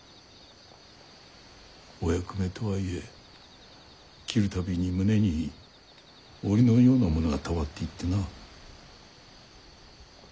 お役目とはいえ斬る度に胸に澱のようなものがたまっていってな。